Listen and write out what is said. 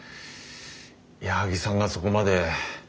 矢作さんがそこまで。